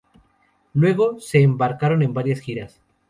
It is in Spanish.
Luego, se embarcaron en varias giras.